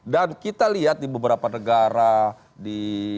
dan kita lihat di beberapa negara di